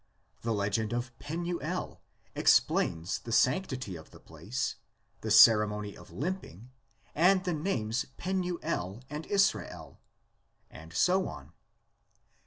— The legend of Penuel explains the sanctity of the place, the ceremony of limping, and the names Penuel and Israel. And so on.